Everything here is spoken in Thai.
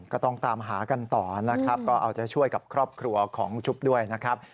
ก็ต้องตามหากันต่อนะครับก็เอาใจช่วยกับครอบครัวของชุบด้วยนะครับ